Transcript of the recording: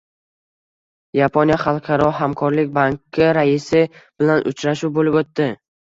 Yaponiya xalqaro hamkorlik banki raisi bilan uchrashuv bo‘lib o‘tdi